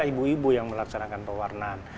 ibu ibu yang melaksanakan pewarnaan